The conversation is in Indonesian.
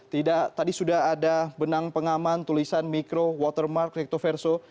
tadi sudah ada benang pengaman tulisan mikro watermark rektoverso